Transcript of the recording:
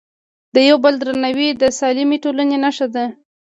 د یو بل درناوی د سالمې ټولنې نښه ده.